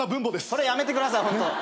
それやめてください。